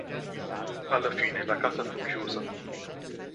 Alla fine la casa fu chiusa.